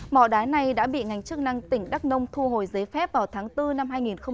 mỏ đá này đã bị ngành chức năng tỉnh đắk nông thu hồi giấy phép vào tháng bốn năm hai nghìn một mươi chín